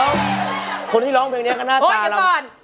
แล้วคนที่ร้องเพลงนี้ก็น่าตาโอ๊ยเดี๋ยวก่อน